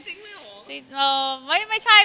จริงไม่ห่วง